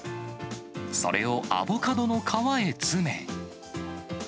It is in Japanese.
それをアボカドの皮へ詰め。